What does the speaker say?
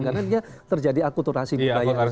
karena ini ya terjadi akuturasi budaya